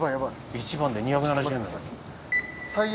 １番で２７０円。